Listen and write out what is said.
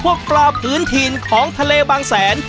ปลาพื้นถิ่นของทะเลบางแสน